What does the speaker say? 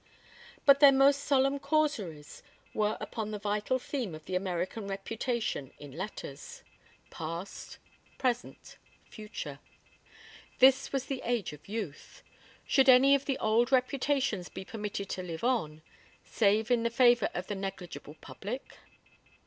But their most solemn causeries were upon the vital theme of The American Reputation in Letters. Past. Present. Future. This was the age of Youth. Should any of the old reputations be permitted to live on save in the favor of the negligible public?